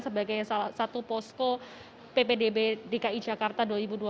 sebagai salah satu posko ppdb dki jakarta dua ribu dua puluh